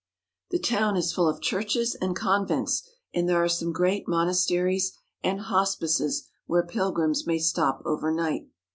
The town is full of churches and convents, and there are some great mon asteries and hospices where pilgrims may stop over night.